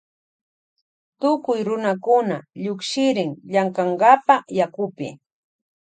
Tukuy runakuna llukshirin llankankapa yakupi.